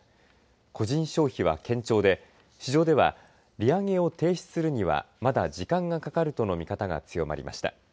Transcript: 個人消費は堅調で市場では利上げを停止するにはまだ時間がかかるとの見方が強まりました。